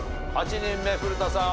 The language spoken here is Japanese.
８人目古田さん